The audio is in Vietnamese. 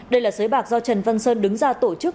đây là xới bạc do trần văn sơn đứng ra tổ chức